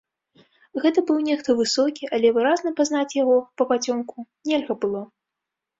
Гэта быў нехта высокі, але выразна пазнаць яго папацёмку нельга было.